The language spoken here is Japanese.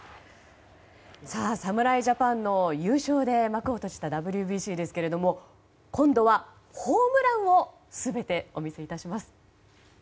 侍ジャパンの優勝で幕を閉じたＷＢＣですが今度はホームランを全て、お見せいたします。